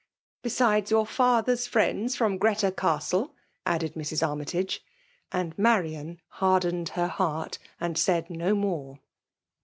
:^ Besides your father's Mends, fiaem Grreta Castle/* added Mrs. Armytage : and Marian burdened her heart* and said no more